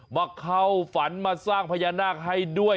มาเข้าฝันมาสร้างพญานาคให้ด้วย